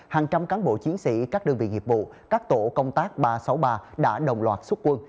hàng trăm cán bộ chiến sĩ các đơn vị nghiệp vụ các tổ công tác ba trăm sáu mươi ba đã đồng loạt xuất quân